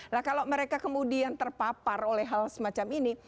nah kalau mereka kemudian terpapar oleh hal semacam ini